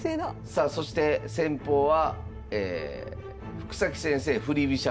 さあそして戦法は福崎先生振り飛車